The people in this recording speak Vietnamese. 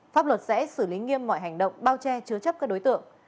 pháp luật sẽ xử lý nghiêm mọi hành động bao che chứa chấp các đối tượng